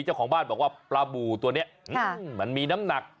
เจ้าของบ้านบอกว่าปลาบูตัวนี้มันมีน้ำหนัก